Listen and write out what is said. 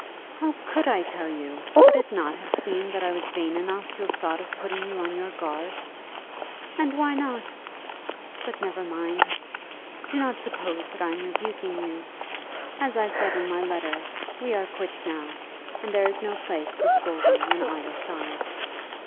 "How could I tell you? Would it not have seemed that I was vain enough to have thought of putting you on your guard?" "And why not? But never mind. Do not suppose that I am rebuking you. As I said in my letter, we are quits now, and there is no place for scolding on either side.